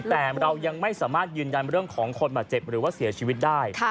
แต่เรายังไม่สามารถยืนยันเรื่องของคนบาดเจ็บหรือว่าเสียชีวิตได้